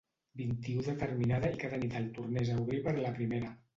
Vint-i-u determinada i cada nit el tornés a obrir per la primera.